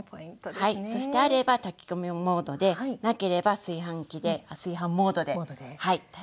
そしてあれば炊き込みモードでなければ炊飯器であ炊飯モードで炊いて下さい。